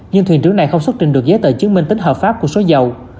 nhưng thuyền trưởng này không xuất trình được giấy tờ chứng minh tính hợp pháp của số dầu